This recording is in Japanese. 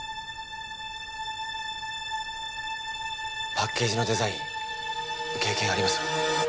パッケージのデザイン経験あります？